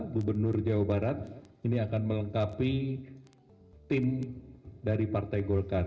gubernur jawa barat ini akan melengkapi tim dari partai golkar